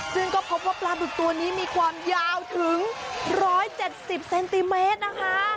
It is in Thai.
ซึ่งก็พบว่าปลาบึกตัวนี้มีความยาวถึง๑๗๐เซนติเมตรนะคะ